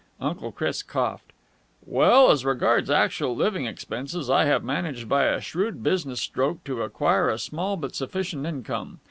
Uncle Chris coughed. "Well, as regards actual living expenses, I have managed by a shrewd business stroke to acquire a small but sufficient income.